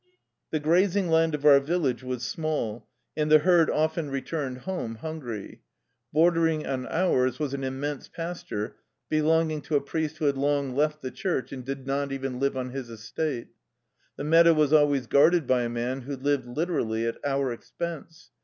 The grazing land of our village was small, and the herd often returned home 10 THE LIFE STORY OF A RUSSIAN EXILE hungry. Bordering on ours was an immense pasture belonging to a priest who had long left the church and did not even live on his estate. The meadow was always guarded by a man who lived literally at our expense.